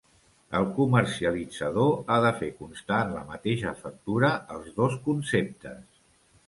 El comercialitzador ha de fer constar en la mateixa factura els dos conceptes.